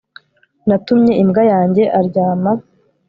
Natumye imbwa yanjye aryama